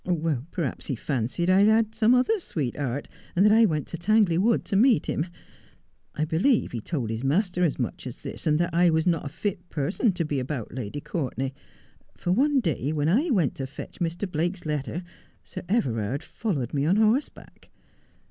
Perhaps he fancied I had some other sweetheart, and that I went to Tangley Wood to meet him. I believe he told his master as much as this, and that I was not a tit person to be about Lady (.'Durtenay, for one day when I went to fetch Mr. Blake's letter Sir Everard followed me on horseback.